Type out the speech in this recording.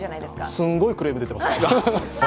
すんごいクレーム出てますよ。